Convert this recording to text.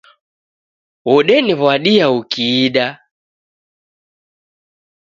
Odeniw'adia ukidaa